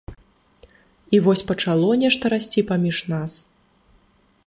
І вось пачало нешта расці паміж нас.